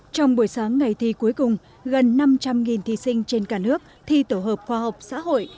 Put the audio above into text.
trong buổi sáng ngày thi cuối cùng gần năm trăm linh thí sinh trên cả nước thi tổ hợp khoa học xã hội